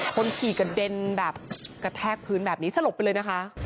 คนขี่กระเด็นแบบกระแทกพื้นแบบนี้สลบไปเลยนะคะ